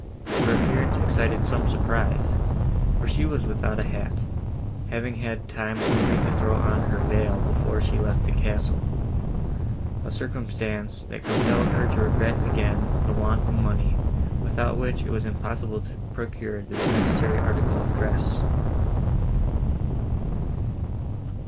Her appearance excited some surprise, for she was without a hat, having had time only to throw on her veil before she left the castle, a circumstance, that compelled her to regret again the want of money, without which it was impossible to procure this necessary article of dress.